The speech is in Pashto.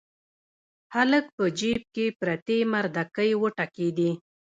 هلک په جيب کې پرتې مردکۍ وټکېدې.